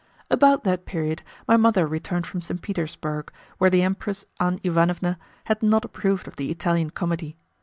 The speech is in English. About that period, my mother returned from St. Petersburg, where the Empress Anne Iwanowa had not approved of the Italian comedy.